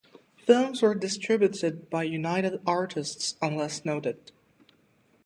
Films were distributed by United Artists unless noted.